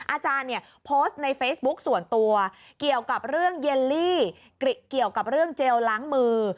อาจารย์เนี่ยโพสต์ในเฟซบุ๊คส่วนตัวเกี่ยวกับเรื่องเยลลี่เกี่ยวกับเรื่องเจลล้างมือ